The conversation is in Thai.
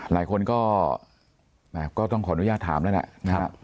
หลายคนก็แบบก็ต้องขออนุญาตถามแล้วนะฮะ